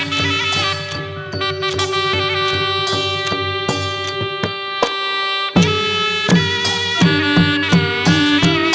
มีชื่อว่าโนราตัวอ่อนครับ